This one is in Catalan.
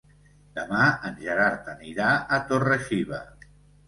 Demà en Gerard anirà a Torre-xiva.